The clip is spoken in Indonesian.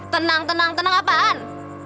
tenang tenang tenang apaan